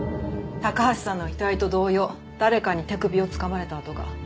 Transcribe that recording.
高橋さんの遺体と同様誰かに手首をつかまれた痕が。